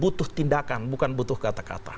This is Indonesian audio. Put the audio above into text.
butuh tindakan bukan butuh kata kata